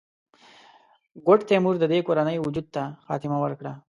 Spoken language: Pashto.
ګوډ تیمور د دې کورنۍ وجود ته خاتمه ورکړه.